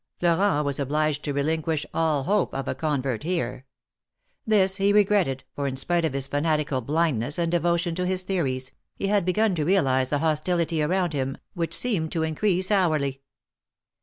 Elorent was obliged to relinquish all hope of a convert THE MARKETS OF PARIS. 263 here. This he regretted, for in spite of his fanatical blind ness and devotion to his theories, he had begun to realize the hostility around him, which seemed to increase hourly.